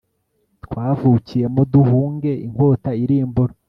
twavukiyemo duhunge inkota irimbura